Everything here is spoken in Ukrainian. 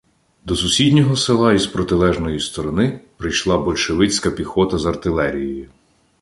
До сусіднього села із протилежної сторони прийшла большевицька піхота з артилерією.